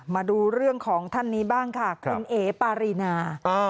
มาดูเรื่องของท่านนี้บ้างค่ะคุณเอ๋ปารีนา